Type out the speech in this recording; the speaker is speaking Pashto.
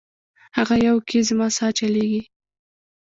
هغه یوه کي زما سا چلیږي